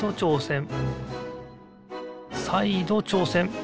さいどちょうせん。